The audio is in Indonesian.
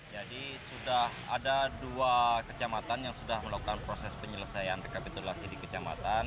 jadi sudah ada dua kecamatan yang sudah melakukan proses penyelesaian rekapitulasi di kecamatan